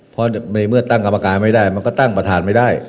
เพราะในเมื่อตั้งกรรมการไม่ได้มันก็ตั้งประธานไม่ได้